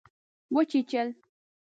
وچیچل